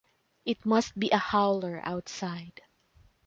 It must be a howler outside.